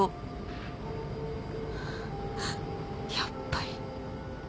やっぱり。